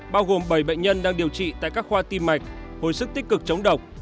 bao gồm bảy bệnh nhân đang điều trị tại các khoa tim mạch hồi sức tích cực chống độc